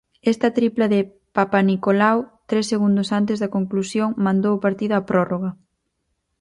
Esta tripla de Papanicolau tres segundos antes da conclusión mandou o partido á prórroga.